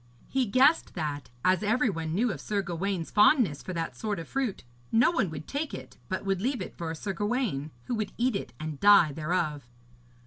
He guessed that, as every one knew of Sir Gawaine's fondness for that sort of fruit, no one would take it, but would leave it for Sir Gawaine, who would eat it and die thereof.